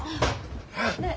ねえ。